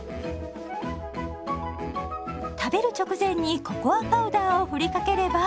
食べる直前にココアパウダーをふりかければ。